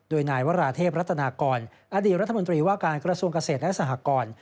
โดยนายวราเทพรัตนากรอดีตรัฐมนตรีว่าการกระทรวงเกษตรและสหกร